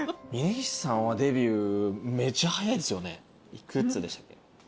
幾つでしたっけ？